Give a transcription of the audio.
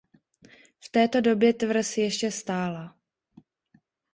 V této době tvrz ještě stála.